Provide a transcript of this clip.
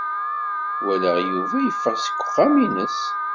Walaɣ Yuba yeffeɣ seg uxxam-nnes.